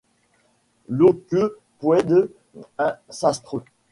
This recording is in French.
Lo que puede un sastre!